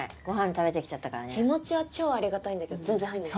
気持ちは超ありがたいんだけど全然入んない。